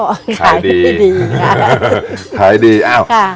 ขายดีขายดีขายดีอ้าวค่ะ